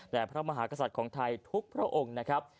และพระมหากษัตริย์ของไทยทุกพระองค์นะครับ